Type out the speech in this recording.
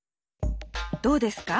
どうですか？